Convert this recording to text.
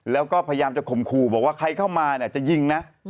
แล้วก็พยายามจะข่มขู่บอกว่าใครเข้ามาเนี่ยจะยิงนะ